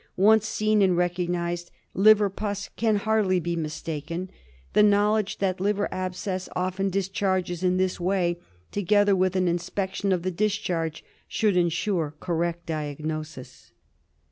Once seen and recognised liver pus can hardly be mistaken. The knowledge that liver abscess often discharges in this way, together with an inspection of the discharge, should ensure correct diagnosis.